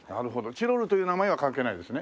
チロルという名前は関係ないですね。